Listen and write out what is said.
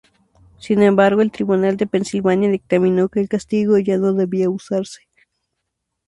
Sin embargo, el tribunal de Pensilvania dictaminó que el castigo ya no debía usarse.